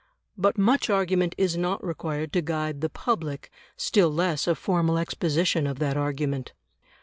But much argument is not required to guide the public, still less a formal exposition of that argument.